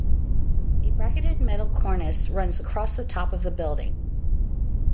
A bracketed metal cornice runs across the top of the building.